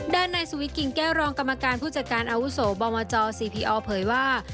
ด้านในสุวิทยกิ่งแก้วรองกรรมการผู้จัดการอาวุโสมจ๔พีออเผยว่า